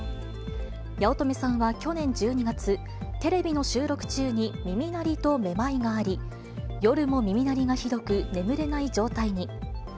八乙女さんは去年１２月、テレビの収録中に耳鳴りとめまいがあり、夜も耳鳴りがひどく、眠れない状態に。